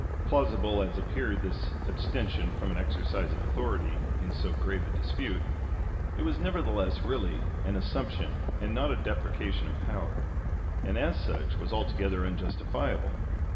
Plausible as appeared this abstention from an exercise of authority in so grave a dispute, it was nevertheless really an assumption and (p. 291) not a deprecation of power, and as such was altogether unjustifiable.